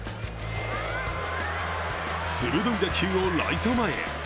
鋭い打球をライト前へ。